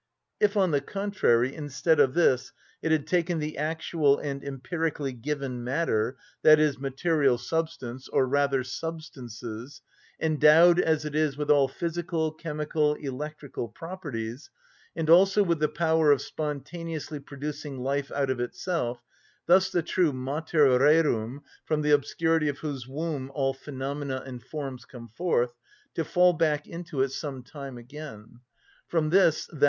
If, on the contrary, instead of this, it had taken the actual and empirically given matter (i.e., material substance, or rather substances), endowed as it is with all physical, chemical, electrical properties, and also with the power of spontaneously producing life out of itself, thus the true mater rerum, from the obscurity of whose womb all phenomena and forms come forth, to fall back into it some time again; from this, _i.